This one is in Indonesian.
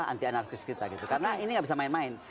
anti anarkis kita karena ini tidak bisa main main